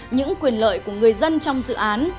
những quyền lợi của người dân trong dự án